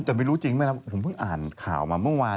แต่ไม่รู้จริงไม่รับผมเพิ่งอ่านข่าวมาเมื่อวาน